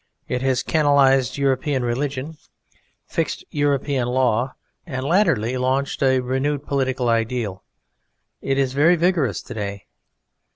It has canalized European religion, fixed European law, and latterly launched a renewed political ideal. It is very vigorous to day.